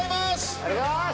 ありがとうございます！